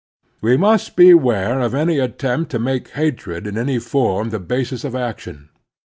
We must beware of any attempt to make hatred in any form the basis of action.